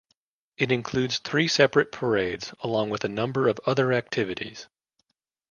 It includes three separate parades, along with a number of other activities.